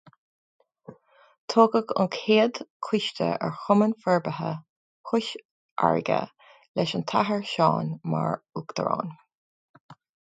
Toghadh an chéad choiste ar Chumann Forbartha Chois Fharraige leis an tAthair Seán mar uachtarán.